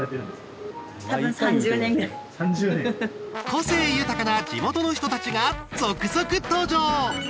個性豊かな地元の人たちが続々登場。